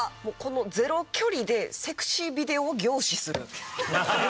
もうこのゼロ距離でセクシービデオを凝視する。